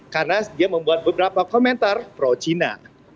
karena dia membuat beberapa komentar pro cina